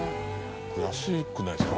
安くないですか？